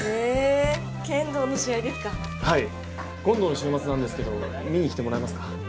今度の週末なんですけど見に来てもらえますか？